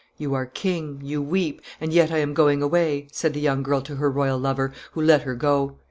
"You are king; you weep; and yet I am going away!" said the young girl to her royal lover, who let her go.